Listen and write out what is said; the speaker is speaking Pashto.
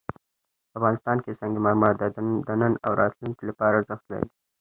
افغانستان کې سنگ مرمر د نن او راتلونکي لپاره ارزښت لري.